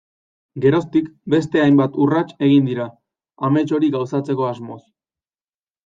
Geroztik, beste hainbat urrats egin dira, amets hori gauzatzeko asmoz.